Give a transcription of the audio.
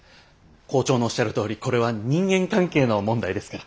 校長のおっしゃるとおりこれは人間関係の問題ですから。